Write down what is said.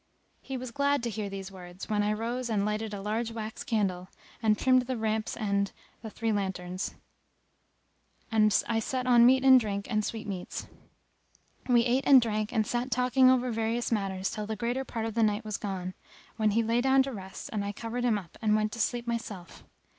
He was glad to hear these words, when I rose and lighted a large wax candle and trimmed the ramps and the three lanterns; and I set on meat and drink and sweetmeats. We ate and drank and sat talking over various matters till the greater part of the night was gone; when he lay down to rest and I covered him up and went to sleep myself.